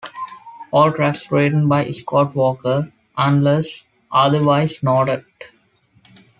All tracks written by Scott Walker, unless otherwise noted.